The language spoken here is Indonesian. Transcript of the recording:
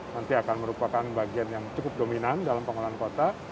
nanti akan merupakan bagian yang cukup dominan dalam pengelolaan kota